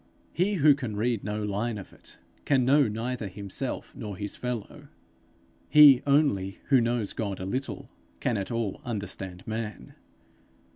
He who can read no line of it, can know neither himself nor his fellow; he only who knows God a little, can at all understand man.